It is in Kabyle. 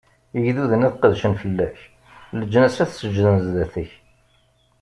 Igduden ad qedcen fell-ak, leǧnas ad seǧǧden zdat-k!